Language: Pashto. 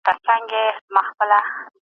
شعرونو کې د بدلون خبرې وې.